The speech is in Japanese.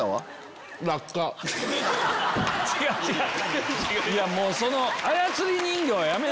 違う違う！